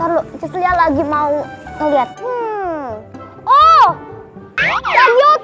lagi mau lihat